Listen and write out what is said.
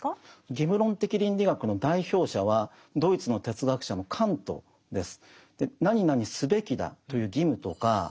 義務論的倫理学の代表者はドイツの哲学者のカントです。